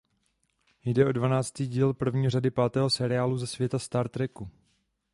Jde o dvanáctý díl první řady pátého seriálu ze světa Star Treku.